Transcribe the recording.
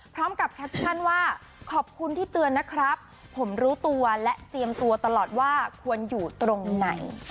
แคปชั่นว่าขอบคุณที่เตือนนะครับผมรู้ตัวและเตรียมตัวตลอดว่าควรอยู่ตรงไหน